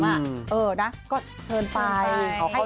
อ่านะก็เชิญไป